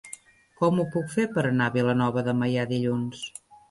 Com ho puc fer per anar a Vilanova de Meià dilluns?